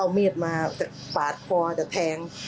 เอามีดมาปาดคอจะแทง